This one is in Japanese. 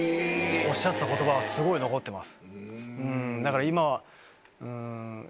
おっしゃってた言葉はすごい残ってます。